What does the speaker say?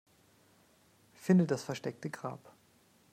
Finde das versteckte Grab.